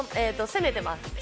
攻めてます。